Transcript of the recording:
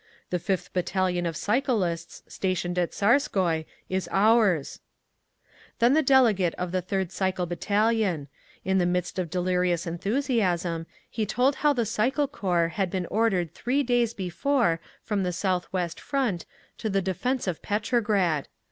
The Fifth Battalion of Cyclists, stationed at Tsarskoye, is ours…." Then the delegate of the Third Cycle Battalion. In the midst of delirious enthusiasm he told how the cycle corps had been ordered three days before from the South west front to the "defence of Petrograd."